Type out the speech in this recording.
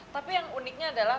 tapi yang uniknya adalah